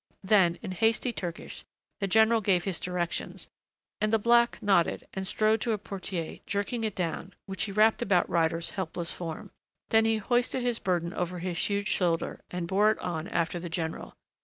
Then in hasty Turkish the general gave his directions and the black nodded and strode to a portière, jerking it down, which he wrapped about Ryder's helpless form. Then he hoisted his burden over his huge shoulder and bore it on after the general.